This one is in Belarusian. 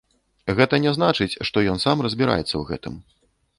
Гэта не значыць, што ён сам разбіраецца ў гэтым.